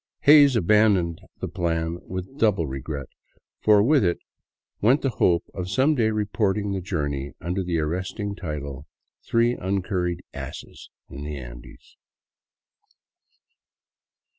Hays abandoned the plan with double regret, for with it went the hope of some day reporting the journey under the arresting title, *' Three Uncurried Asses in the Andes."